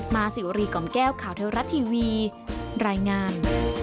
สิวรีกล่อมแก้วข่าวเทวรัฐทีวีรายงาน